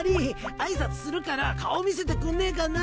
挨拶するから顔見せてくんねえかな？